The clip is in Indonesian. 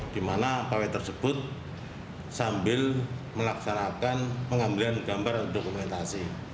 dimana konvoy tersebut sambil melaksanakan pengambilan gambar dan dokumentasi